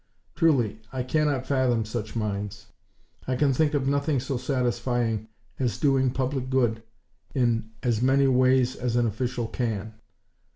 Truly, I cannot fathom such minds! I can think of nothing so satisfying as doing public good in as many ways as an official can.